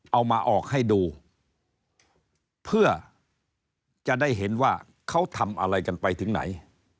เอามาออกให้ดูเพื่อจะได้เห็นว่าเขาทำอะไรกันไปถึงไหน